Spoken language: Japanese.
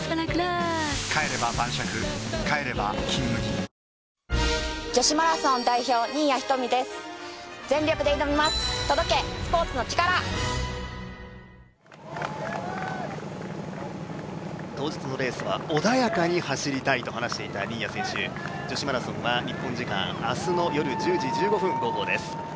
帰れば晩酌帰れば「金麦」当日のレースは穏やかに走りたいと話していた新谷選手、女子マラソンは日本時間明日の夜１０時１５分、号砲です。